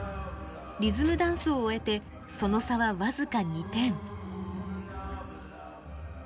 リズムダンスを終えてその差は僅か２点。